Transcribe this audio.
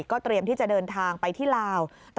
เตรียมที่จะเดินทางไปที่ลาว